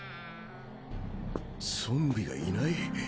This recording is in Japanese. ゾンビがいない？